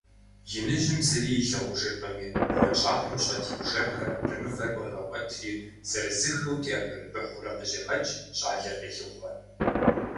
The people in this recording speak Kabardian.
Иныжьым зыри илъагъужыркъыми, бгъуэнщӀагъым щӀэт и бжэнхэр абрэмывэр ӀуегъэкӀуэтри зырызыххэу теӏэбэрэбыхьурэ къыщӀегъэкӀ, щӀалэр къелъыхъуэ.